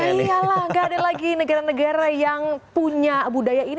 tapi lialah gak ada lagi negara negara yang punya budaya ini